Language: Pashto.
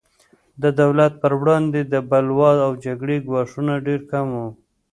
د دولت پر وړاندې د بلوا او جګړې ګواښونه ډېر کم وو.